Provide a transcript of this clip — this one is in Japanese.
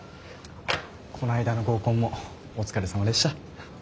こないだの合コンもお疲れさまでした。